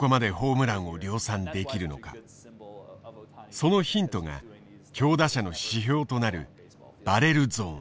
そのヒントが強打者の指標となるバレルゾーン。